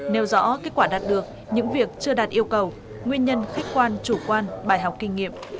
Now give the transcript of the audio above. nêu rõ kết quả đạt được những việc chưa đạt yêu cầu nguyên nhân khách quan chủ quan bài học kinh nghiệm